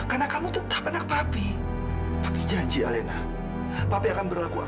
aduh kamu ini apa kak